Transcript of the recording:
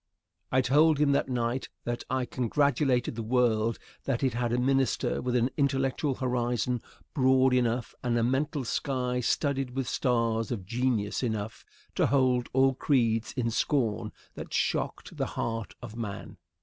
I told him that night that I congratulated the world that it had a minister with an intellectual horizon broad enough and a mental sky studded with stars of genius enough to hold all creeds in scorn that shocked the heart of man.